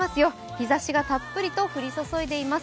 日ざしがたっぷりと降り注いでいます。